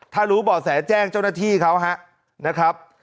ถ้ารู้บ่อแสแจ้งเจ้าหน้าที่เขานะครับ